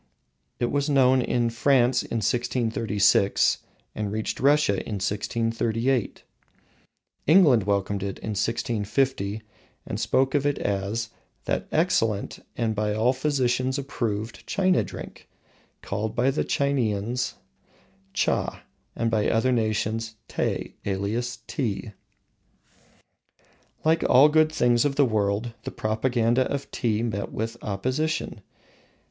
It was known in France in 1636, and reached Russia in 1638. England welcomed it in 1650 and spoke of it as "That excellent and by all physicians approved China drink, called by the Chineans Tcha, and by other nations Tay, alias Tee." Like all good things of the world, the propaganda of Tea met with opposition.